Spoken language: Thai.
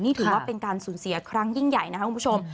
นี่ถือว่าเป็นการสูญเสียครั้งยิ่งใหญ่นะครับคุณผู้ชม